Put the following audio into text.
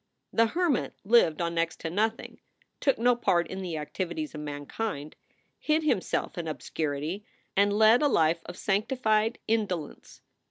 The hermit lived on next to nothing, took no part in the activities of mankind, hid himself in obscurity, and led a life of sanctified indolence.